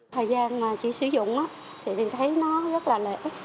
thời gian mà chỉ sử dụng thì thấy nó rất là lợi ích